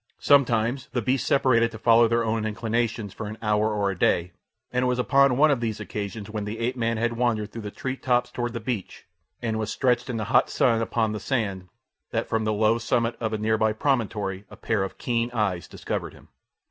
Sometimes the beasts separated to follow their own inclinations for an hour or a day, and it was upon one of these occasions when the ape man had wandered through the tree tops toward the beach, and was stretched in the hot sun upon the sand, that from the low summit of a near by promontory a pair of keen eyes discovered him.